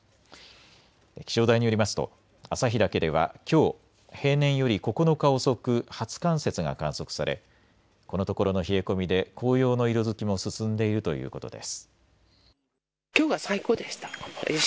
気象台によりますと旭岳ではきょう平年より９日遅く初冠雪が観測されこのところの冷え込みで紅葉の色づきも進んでいるということです。